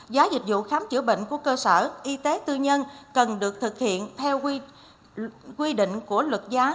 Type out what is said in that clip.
giá dịch vụ khám chữa bệnh của cơ sở y tế tư nhân cần được thực hiện theo quy định của luật giá